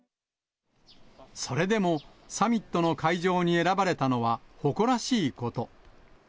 それでもサミットの会場に選ばれたのは、誇らしいこと。